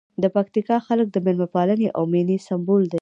د پکتیکا خلک د مېلمه پالنې او مینې سمبول دي.